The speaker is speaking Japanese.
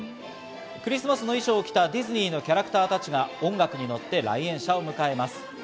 クリスマスの衣装を着たディズニーのキャラクターたちが音楽にのって来園者を迎えます。